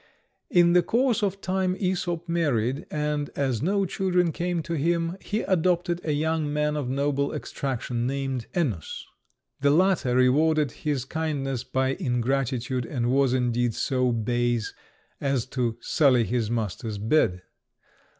In the course of time Æsop married, and as no children came to him he adopted a young man of noble extraction, named Ennus. The latter rewarded this kindness by ingratitude, and was, indeed, so base as to sully his master's bed.